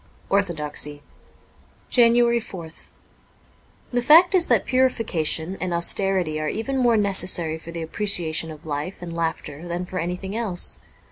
' Orthodoxy.'' 3 B 2 JANUARY 4th THE fact is that purification and austerity are even more necessary for the appreciation of life and laughter than for anything else.